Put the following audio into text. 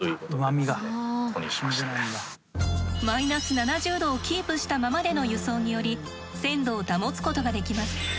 −７０℃をキープしたままでの輸送により鮮度を保つことができます。